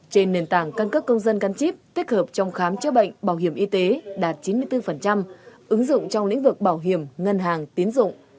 trên nền tảng căn cấp công dân gắn chip tích hợp trong khám chữa bệnh bảo hiểm y tế đạt chín mươi bốn ứng dụng trong lĩnh vực bảo hiểm ngân hàng tiến dụng